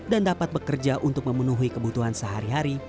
dan dapat bekerja untuk memenuhi kebutuhan sehari hari